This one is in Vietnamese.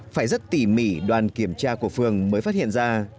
phải rất tỉ mỉ đoàn kiểm tra của phường mới phát hiện ra